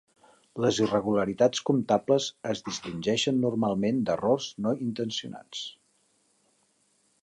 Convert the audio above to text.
Les irregularitats comptables es distingeixen normalment d'errors no intencionats.